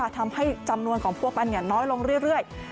ทำให้จำนวนของพวกมันน้อยลงเรื่อย